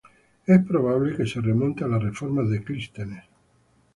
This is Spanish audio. Es probable que se remonte a las reformas de Clístenes.